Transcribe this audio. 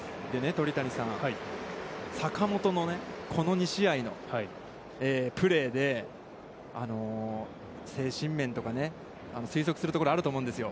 鳥谷さん、坂本のこの２試合のプレーで、精神面とか、推測するところ、あると思うんですよ。